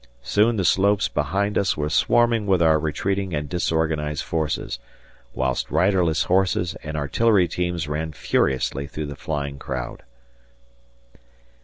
... Soon the slopes behind us were swarming with our retreating and disorganized forces, whilst riderless horses and artillery teams ran furiously through the flying crowd.